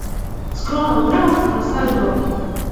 З кронаў дрэваў страсаю зоркі.